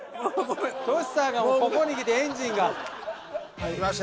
トシさんがここにきてエンジンが。来ました。